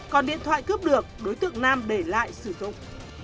còn điện thoại cướp được đối tượng nam để lại sử dụng